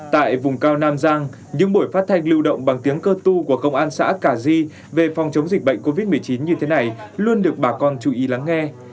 tại vùng cao nam giang những buổi phát thanh lưu động bằng tiếng cơ tu của công an xã cả di về phòng chống dịch bệnh covid một mươi chín như thế này luôn được bà con chú ý lắng nghe